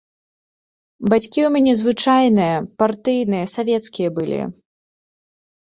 Бацькі ў мяне звычайныя, партыйныя, савецкія былі.